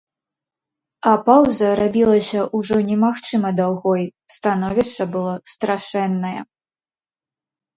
А паўза рабілася ўжо немагчыма даўгой, становішча было страшэннае.